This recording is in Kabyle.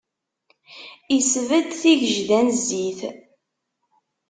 Isbedd tigejda n zzit.